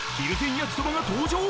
焼そばが登場！